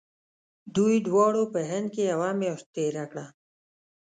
دوی دواړو په هند کې یوه میاشت تېره کړه.